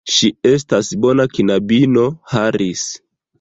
Ŝi estas bona knabino, Harris.